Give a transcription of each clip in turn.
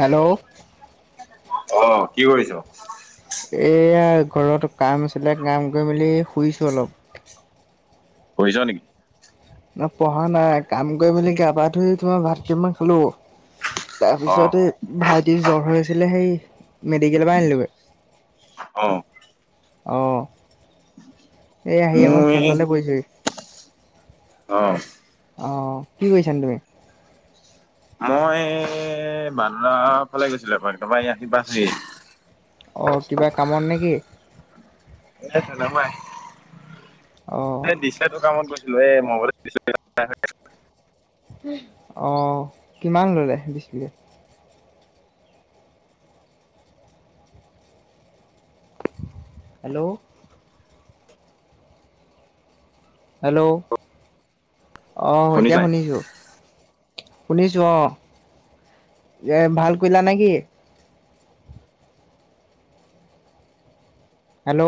Hello. অ' কি কৰিছ? এয়া ঘৰত কাম আছিলে, কাম কৰি মেলি শুইছো অলপ। শুইচ নেকি? ন পঢ়া নাই কাম কৰি মেলি গা পা ধুই তোমাৰ ভাত কেইটামান খালো অ', তাৰপিছতে ভাইটিৰ জ্বৰ হৈ আছিলে, সেই মেডিকেলৰ পৰা আনিলোগে। অ'। অ' এই আহি মোৰ এই [unintelligible] বহিছোহি। অ'। অ' কি কৰিছানো তুমি? মই [unintelligible] ফালে গৈছিলো এপাক [unintelligible] অ' কিবা কামত নেকি? অ', [unintelligible] [unintelligible] অ' কিমান ললে [unintelligible] হেল্ল'। হেল্ল'। অ' শুনিছ এতিয়া নাই? শুনিছো। শুনিছো অ' এ ভাল কৰিলা নেকি? হেল্ল'।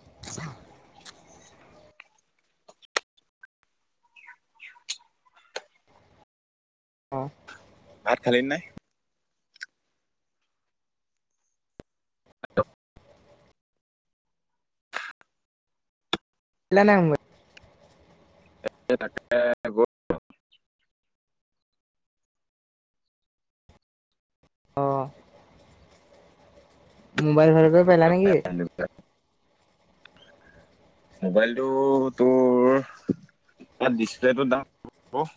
[inaudible] অ'। ভাত খালি নাই? [unintelligible] এ তাকে [unintelligible] [inaudible] অ' মোবাইল ঘৰতে [unintelligible] নেকি? [unintelligible] মোবাইলটো তোৰ তাত ডিচপ্লেটো দাম হ'ব।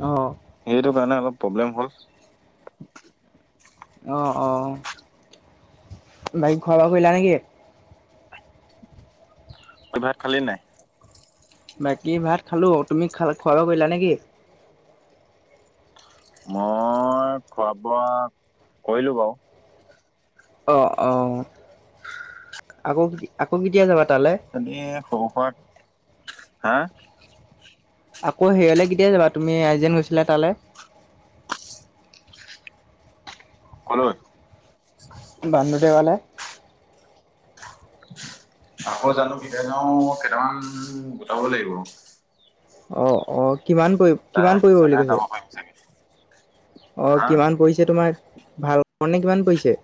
অ'। সেইটো কাৰণে অলপ প্ৰব্লেম হ'ল। অ', অ' বাকী খোৱা বোৱা কৰিলা নেকি? ভাত খালী নে নাই? বাকী ভাত খালো, তুমি খ খুৱা বোৱা কৰিলা নেকি? মই খোৱা বোৱা কৰিলো বাৰু। অঁ অঁ আকৌ, আকৌ কেতিয়া যাবা তালে। এনে কৰবাত হা আকৌ হেৰিয়লে কেতিয়া যাবা, তুমি আৰ্জেণ্ট গৈছিলা তালে, ক'লৈ বান্ধুদেৱালে আকৌ জানো কেতিয়া যাও কেইটামান গোটাব লাগিব। অ অ কিমান পৰিব। কিমান বুলি তাৰপিছতহে কৈছে? যাব পাৰিম চাগে। অ হা কিমান পৰিছে তোমাৰ ভাড়াবোৰ এনেই কিমান পৰিছে।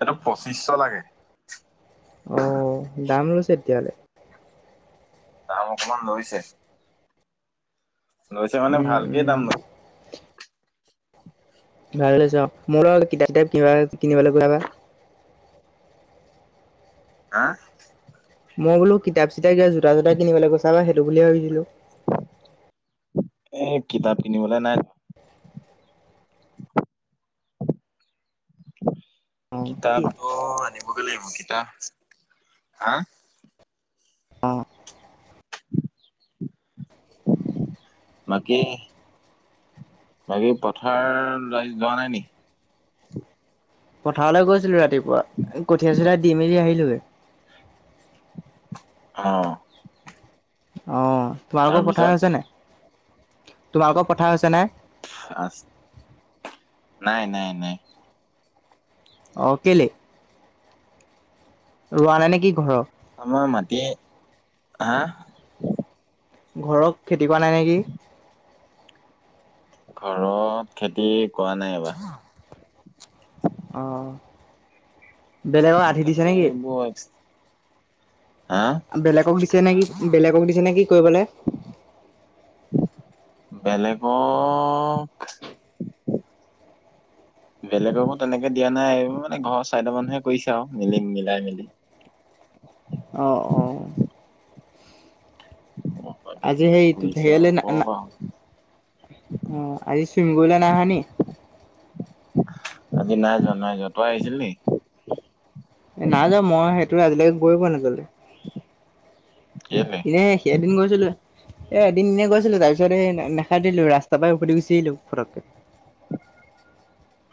এইটো পঁচিশ শ লাগে। অ দাম লৈছে তেতিয়া হ'লে। দাম অকণমান লৈছে। লৈছে মানে উম, ভালকে উম। দাম লয়। ভালে লৈছে অ মোৰ লগত ডেছ টপ কিনিব কিনিবলৈ যাবা হা মই বোলো কিতাপ চিতাপ জোতা ছোটা কিনিবলৈ গৈছা সেইটো বুলি ভাবিছিলো। এ কিতাপ কিনিবলৈ নাই। অ', কিতাপটো আনিবগে লাগিব কিতাপ হা বাকী, বাকী পথাৰ আজি যোৱা নাই নেকি? পথাৰলৈ গৈছিলো ৰাতিপুৱা কঠীয়া চঠিয়া দি মেলি আহিলোগে। অ অ তোমালোকৰ পথাৰ তাৰপিছত হৈছে নাই, তোমালোকৰ পথাৰ হৈছে নাই? নাই নাই নাই। অ কে'লে ৰোৱা নাই নেকি ঘৰত আমাৰ মাটিয়ে হা ঘৰত খেতি কৰা নাই নেকি? ঘৰত খেতি কৰা নাই এইবাৰ অ বেলেগক আধি দিছে নেকি? [unintelligible] হা বেলেগক দিছে নেকি বেলেগক দিছে নেকি কৰিবলে। [inaudible] বেলেগক বেলেগকো তেনেকে দিয়া নাই এইবোৰ মানে ঘৰৰ চাৰিটা মানুহে কৰিছে আৰু মিলি মিলাই মেলি। অঁ অঁ আজি সেই [unintelligible] হেৰিয়ালে [unintelligible] [unintelligible] অ আজি [unintelligible] আজি নাই যোৱা নাই যোৱা, তই আহিছিলি নি? এ নাই যোৱা মই সেইটো আজিলৈকে গৈ পোৱা নাই আচলতে কেলে এনেই এদিন গৈছিলো। এ এদিন এনেই গৈছিলো। তাৰ পিছত এই নে নেসাতুৰিলো ৰাস্তাৰ পৰাই উভতি গুচি আহিলো ফটককে।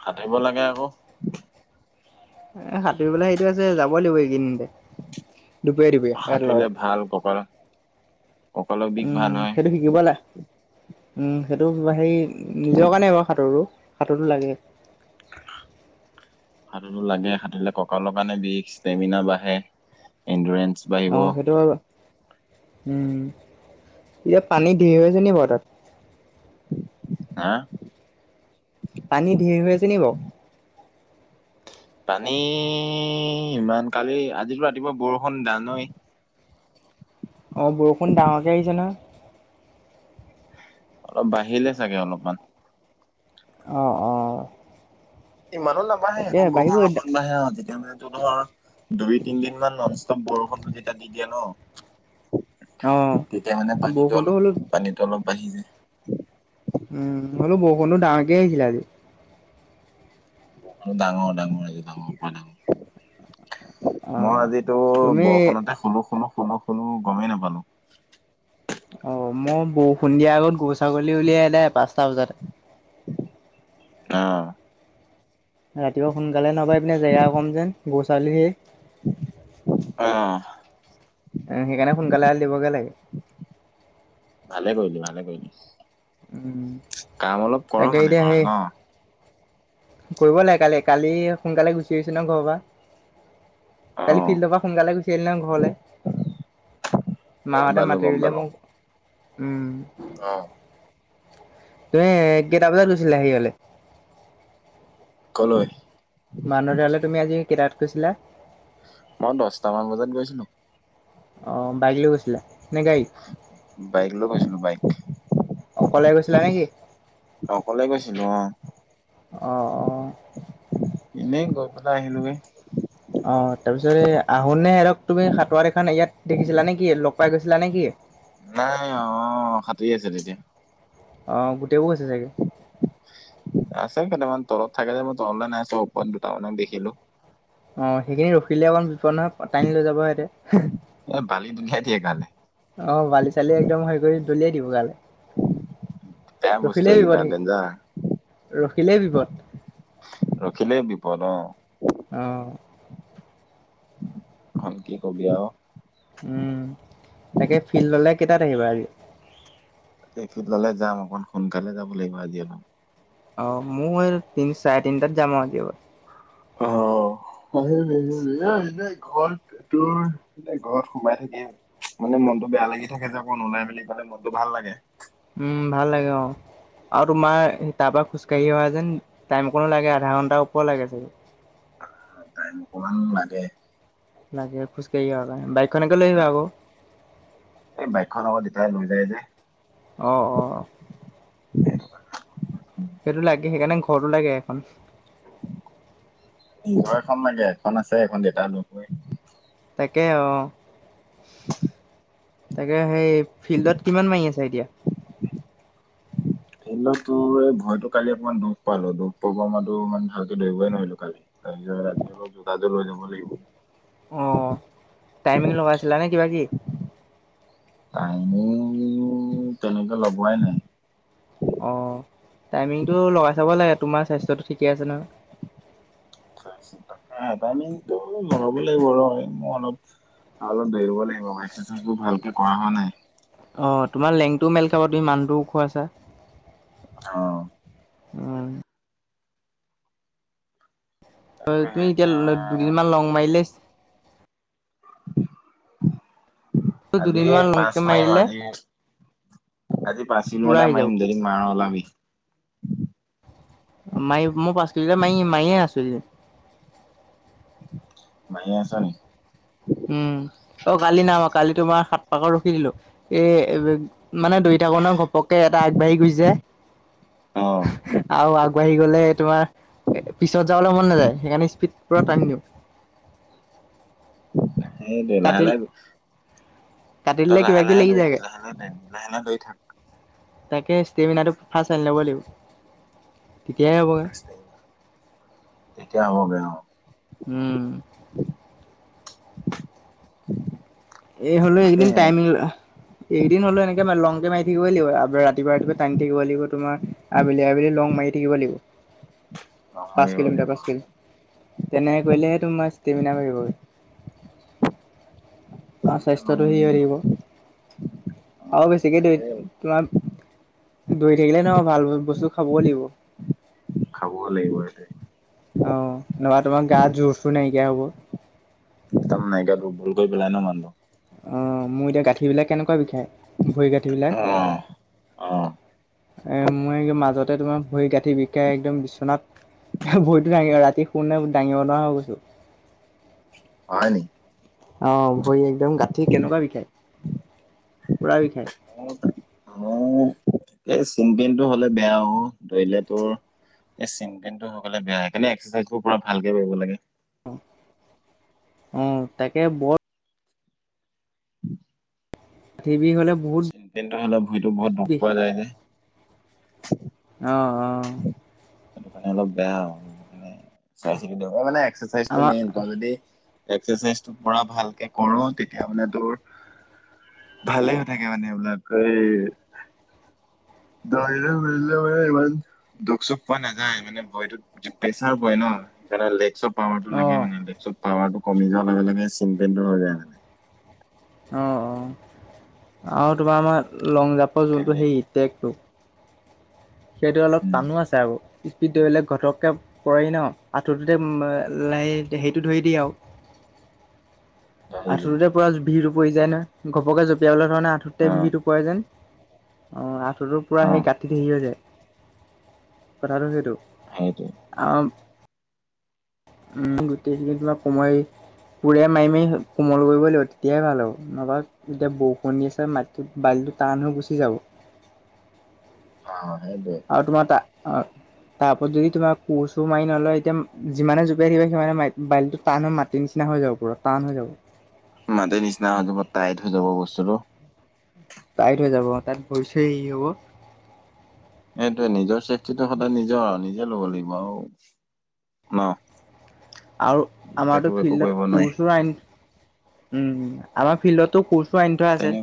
সাতুৰিব লাগে আক। এ, সাঁতুৰিবলে সেইটো আছে। যাবই লাগিব এই কেইদিনতে। দুপৰীয়া ধুবি সাঁতুৰিলে ভাল কঁকাল কঁকালৰ বিষ [unintelligible] ভাল উম, হয় সেইটো শি শিকিবলে। উম, সেইটো তোমাৰ হেৰি নিজৰ কাৰণেই বাৰু সাঁতোৰটো। সাঁতোৰটো লাগে। [unintelligible] সাঁতুৰটো লাগে। সাঁতুৰিলে ককালৰ কাৰণে বিষ, ষ্টেমিনা বাঢ়ে, ইণ্ডুৰেঞ্চ অ', সেইটো বাৰু, উম, এতিয়া পানী ধেৰ হৈ আছে নি বাৰু তাত? হা? পানী ধেৰ হৈ আছে নি বাৰু? পানী, ইমান, কালি আজিলৈ ৰাতিপুৱা বৰষুণ জানয়ে অ', বৰষুণ ডাঙৰকৈ আহিছে নহয়। অলপ বাঢ়িলে চাগে অলপমান। অ, অ'। ইমানো নাবাঢ়ে। তাকে সেইকন বাঢ়িব বৰষুণ অকণ বাঢ়ে আৰু তেতিয়া মানে তোৰ ধৰ দুই, তিনিদিন মান নোন ষ্টপ বৰষুণটো যেতিয়া দি দিয়ে ন' অ তেতিয়া মানে, পানীতো বৰষুণটো অলপ, হ'লো পানীতো অলপ বাঢ়ি যায়। উম, হ'লেও বৰষুণটো ডাঙৰকে আহিছিলে আজি। বৰষুণ ডাঙৰ, ডাঙৰ আজি ডাঙৰ পানী অ মই আজিতো তুমি বৰষুণতে, শুলো-শুলো-শুলো-শুলো গমেই নাপালো। অ', মই বৰষুণ দিয়া আগত গৰু, ছাগলী উলিয়াই আদায়, পাঁচটা বজাতে। অ'। ৰাতিপুৱা সোনকালে নগৈই পিনে, জেগা কম যেন, গৰু ছাগলী হেই অ'। উম, সেইকাৰণে সোনকালে এৰাল দিবগৈ লাগে। ভালে কৰিলি, ভালে উম কৰিলি। কাম অলপ কৰ' তাকে মানে এতিয়া সেই ঘৰত ন'? কৰিব লাগে। কালি, কালি সোনকালে গুচি আহিছো নহয় ঘৰৰ পৰা। অ কালি ফিল্ডৰ পৰা সোনকালে গুচি আহিলো নহয় ঘৰলৈ। মা গম হঁতে পালো মাতি গম ৰুলে পালো মোক। উম অ'। তুমি কেইটা বজাত গৈছিলাঁ হেৰিয়লে? কলৈ? মানুহ ঘৰলে তুমি আজি কেইটাত গৈছিলাঁ? মই দহটামান বজাত গৈছিলোঁ। অ', বাইক লৈ গৈছিলাঁ, নে গাড়ীত? বাইক লৈ গৈছিলোঁ, বাইক। অকলে গৈছিলা নেকি অকলে গৈছিলোঁ অ'। অ অ এনেই গৈ পেলাই আহিলোগৈ। অ', তাৰপিছত এই আহোঁতে সিহঁতক, তুমি সাঁতোৰা দেখা ইয়াত দেখিছিলা নে কি? লগ পাই গৈছিলা নে কি? নাই, অ', সাঁতোৰি আছিলে তেতিয়া। অ', গোটেইবোৰ গৈছে চাগে। আছে কেইটামান তলত থাকে যে, মই তললৈ নাই চোৱা ওপৰত দুটামানক দেখিলো। অ', সেইখিনিত ৰখিলে অকমান বিপদ নহয়, টানি লৈ যাব সিহঁতে। এ বালিত উলিয়াই দিয়ে গালে। অ', বালি-চালি একদম হেৰি কৰি দলিয়াই দিব গালে। বেয়া বস্তু ৰখিলেই এইকেইটা বিপদ, ডেঞ্জাৰ। সেই ৰখিলেই বিপদ। ৰখিলে বিপদ অ'। অ'। এখন কি কবি আৰু। উম, তাকে ফিল্ডলে কেইটাত আহিবা আজি? এই ফিল্ডলে যাম। অকণ সোনকালে যাব লাগিব আজি অলপ। অঁ মই তিনি চাৰে তিনিটাত যাম আৰু আজি। আহ আহ এনে ঘৰ তোৰ মানে ঘৰত সোমাই থাকে। মানে মনতটো বেয়া লাগি থাকে যে অকৌ ওলাই মেলি গ'লে মনটো ভাল লাগে। উম, ভাল লাগে অ'। আৰু তোমাৰ তাৰ পৰা খোজকাঢ়ি অহা যেন টাইম কণো লাগে আধা ঘণ্টাাৰ ওপৰত লাগে চাগে। টাইম অকমান লাগে। লাগে খোজকাঢ়ি অহা কাৰণ, বাইকখনকে লৈ আহিবা আকৌ। এই বাইকখন আকৌ দেউতাই লৈ যায় যে। অঁ, অঁ। স [unintelligible] সেইটো লাগে সেইকাৰণে ঘৰতো লাগে এখন। নিজৰ এখন লাগে এখন আছে এখন দেতাই লৈ যায়। তাকে অ'। উ [unintelligible] তাকে সেই ফিল্ডত কিমান মাৰি আছে এতিয়া। ফিল্ডত তোৰ এই ভৰিতো কালি অকণমান দুখ পালো, দুখ পোৱাৰ পা মানুহতো ইমান ভালকে দৌৰিবই নোৱাৰিলো কালি। কালিলৈ ৰাতিপুৱা জোতা যোৰ লে যাব লাগিব। অ' টাইমিং লগাইছিলা নে কিবা কি? টাইমিং তেনেকে লগোৱাই নাই। অ' টাইমিংটো লগাই চাব লাগে তোমাৰ স্বাস্থ্যটো ঠিকে আছে নহয়। এই টাইমিংটো লগাবৈ লাগিব ৰ' মোৰ অলপ আৰু অলপ দৌৰিব লাগিব এক্সাৰচাইজ বোৰ ভালকে কৰা হোৱা নাই। অ' তোমাৰ লেংটো মেল খাব তুমি মানুটো ওখ আছা। অ'। উম হয় তুমি এতিয়া দুদিনমান লং মাৰিলে আজি দুদিনমান পাঁচ লংকে মাৰি মাৰিম দিলে আজি কি পাঁচ পুৰা কিলোমিটাৰ আহি যাব মাৰিম, যদি মাৰ ওলাবি। মাৰি মোৰ পাঁচ কিলোমিটাৰ এ মাৰি মাৰি এ আছো এই কেইদিন। মাৰিয়েই আছা নেকি? উম, অ' কালি নাই মৰা, কালি তোমাৰ সাত পাকৰ ৰখি দিলো। এই মানে দৌৰি থাকোটে ঘপককে এটা আগবাঢ়ি গুছি যায়, অ আৰু আগবাঢ়ি গ'লে তোমাৰ এ পিছত যাবলৈ মন নাযায়, সেইকাৰণে স্পীড পুৰা টান দিওঁ। সেইটো লাহে কাটি লাহে কাটি তই দিলে কিবা লাহে কিবি লাহে লাগি যায়গে দৌৰিবি লাহে লাহে দোৰিবি লাহে লাহে দৌৰি থাক। তাকে ষ্টেমিনাৰটো ফাৰ্ষ্ট আনি ল'ব লাগিব, তেতিয়াহে হ'বগৈ। তেতিয়া হ'বগে অ'। উম। এই হ'লেও একদিন তাকেহে টাইমিং এদিন হ'লেও এনেকে লংকে মাৰি থাকিবই লাগিব, আৰু ৰাতিপুৱা ৰাতিপুৱ টানি থাকিব লাগিব তোমাৰ আবেলি আবেলি লং মাৰি থাকিব লাগিব। লগ পাঁচ মাৰিব কিলোমিটাৰ লাগিব পাঁচ কিলোমাটাৰ, তেনেক কৰিলেহে তোমাৰ ষ্টেমিনাৰ বাঢ়িবগৈ। আৰু মই এতিয়া স্বাস্থ্যটো লগ সেই হৈ অ থাকিব আও বেছিকে তাকে দৈইত তোমাৰ দৈৰি থাকিলে নহয় ভাল বস্তু খাবও লাগিব। খাবও লাগিব এই দেই অ নবা তোমাৰ গাত জোৰ চোৰ নাইকিয়া হ'ব একদম নাইকিয়া দূৰ্বল কৰি পেলাই ন মানুহ অ মোৰ এতিয়া গাঁঠিবিলাক কেনেকুৱা বিষায় ভৰি গাঁঠিবিলাক অ এ মই মাজতে তোমাৰ ভৰি গাঁঠ বিষাই একদম বিচনাত এহ ভৰিটো দাঙি ৰাতি শুওঁতে দাঙিব নোৱাৰা হৈ গৈছোঁ। হয় নি? অ' ভৰি একদম গাঁঠি কেনেকুৱা বিষায়, পুৰা বিষায়। মৌ মৌ এই চিমপেইনটো হ'লে বেয়া অ', ধৰিলে তোৰ এই চিমপেইন টো‌ হৈ গলে বেয়া, সেইকাৰণে এক্সাৰচাইজ বোৰ‌ পূৰা ভালকে কৰিব লাগে। উ, তাকে বৰ [inaudible] টি বি হ'লে বহুত দিনটো হ'লে ভৰিটো বহুত বিষ দূখ যায় যে অ, অ' সেইটো কাৰণে অলপ বেয়া‌ আও বুজিছানে চাই‌চিতি মানে এক্সাৰচাইজ টো আমাৰ মেইন। তই যদি এক্সাৰচাইজ পোৰা ভালকে কৰো তেতিয়া মানে তোৰ ভালে হৈ থাকে মানে এইবিলাক, এই [unintelligible] দুখ চুখ পোৱা নাযায়, মানে ভৰিটোত প্ৰেচাৰ পৰে ন, সেইকাৰণে লেকচত পাৱাৰটো লাগে অ' মানে, ‌লেকচত ‌ পাৱাৰ টো কমি যোৱাৰ লগে লগে চিম পেইনটো হৈ যায় মানে অ', অ, আও তোমাৰ মই লং জাপৰ জোনটো কেলে হেৰি, টেগটো সেইটো অলপ উম টানো আছে আৰু স্পীড দৌৰিলে ঘটককে পৰেহি ন আঁঠুটোতে সেইটো ধৰি দিয়ে আও। হেৰি আঁঠুটোতে পূৰা ভিৰটো পৰি যায় নহয়, ঘপকে জপিয়াবলৈ ধৰনে আঁঠুটোতে অ ভিৰটো পৰে যেন অ' আঁঠুটো পূৰা অ সেই গাঁঠিত হেই হৈ যায়। কথাটো সেইটো। সেইটোৱে। অ উম গোটেই কমৰে বিষ কোৰে মাৰি মাৰি কোমল কৰিব লাগিব, তেতিয়াহে ভাল হ'ব। নহবা এতিয়া বৰষুণ দি আছে, মাটিটো বালিটো টান হৈ গুচি যাব অ সেইটোৱে। আৰু তোমাৰ তা অ তাৰ ওপৰত যদি তোমাৰ কোৰ চোৰ মাৰি নলয়, এতিয়া যিমানে জপিয়াই থাকিবা, সিমানে মা বালিটো টান হৈ মাটি নিচিনা হৈ যাব। পূৰা টান হৈ যাব। মাটি নিচিনা হৈ যাব, টাইট‌ হৈ যাব বস্তুটো। টাইট হৈ যাব অ তাত ভৰি চৰি হেই হ'ব সেইটোৱে নিজৰ চেফটিটো সদায় নিজৰ আও, নিজে ল'ব লাগিব আও ন? আৰু বেলেগেতো আমাৰতো একো ফিল্ডত কৰিব কোৰ নোৱাৰি চৌৰ আইন, উ আমাৰ ফিল্ডতো কোৰ চৌৰ আনি থোৱা আছে। তেনে